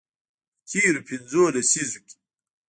په تیرو پنځو لسیزو کې